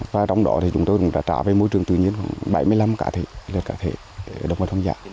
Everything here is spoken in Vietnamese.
và trong đó thì chúng tôi cũng đã trả về môi trường tự nhiên khoảng bảy mươi năm lượt cá thể để động vật hoang dã